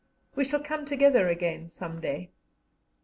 We shall come together again some day."